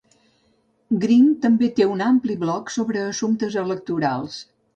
Green també té un ampli blog sobre assumptes electorals.